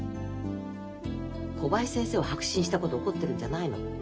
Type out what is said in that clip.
小林先生を白紙にしたことを怒ってるんじゃないの。